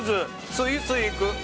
スイスイ行く！